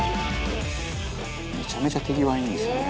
「めちゃめちゃ手際いいんですよね」